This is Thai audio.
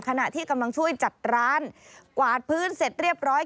ขณะที่กำลังช่วยจัดร้านกวาดพื้นเสร็จเรียบร้อย